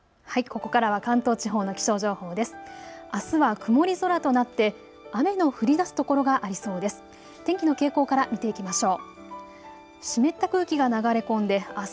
ここからは関東地方の気象情報です。